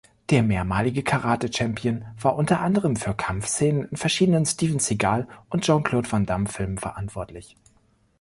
Der mehrmalige Karate-Champion war unter anderem für Kampfszenen in verschiedenen Steven-Seagal- und Jean-Claude-Van-Damme-Filmen verantwortlich.